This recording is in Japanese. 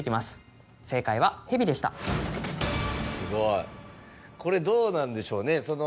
すごいこれどうなんでしょうね。